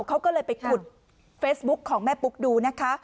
เขาก็เลยไปขุดเฟซบุ๊คของแม่ปุ๊กดูนะคะ